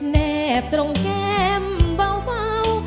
แนบตรงเกมเบาเบา